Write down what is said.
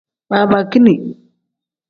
Babakini.